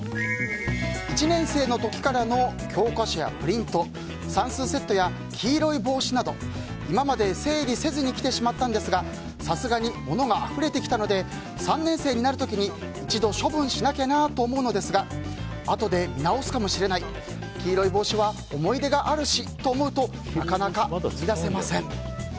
１年生の時からの教科書やプリント算数セットや黄色い帽子など今まで整理せずに来てしまったんですがさすがに物があふれてきたので３年生になる時に一度処分しなきゃなと思うのですがあとで見直すかもしれない黄色い帽子は思い出があるしと思うとなかなか踏み出せません。